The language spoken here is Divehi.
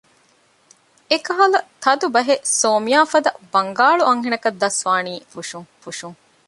އެކަހަލަ ތަދު ބަހެއް ސޯމްޔާ ފަދަ ބަންގާޅު އަންހެނަކަށް ދަސްވާނީ މަންމަ ފުށުން